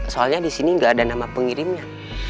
soalnya disini gak ada nama pengirimnya